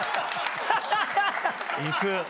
いく。